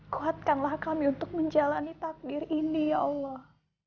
kuatkanlah kami untuk menjalani takdir ini ya allah